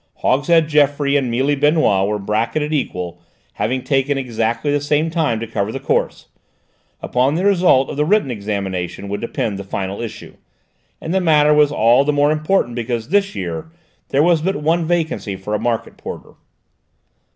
Hogshead Geoffroy and Mealy Benoît were bracketed equal, having taken exactly the same time to cover the course; upon the result of the written examination would depend the final issue, and the matter was all the more important because this year there was but one vacancy for a Market Porter.